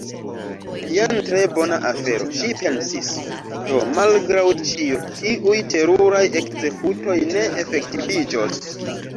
"Jen tre bona afero," ŝi pensis. "Do, malgraŭ ĉio, tiuj teruraj ekzekutoj ne efektiviĝos. »